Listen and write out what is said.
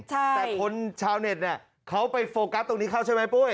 แต่คนชาวเน็ตเนี่ยเขาไปโฟกัสตรงนี้เข้าใช่ไหมปุ้ย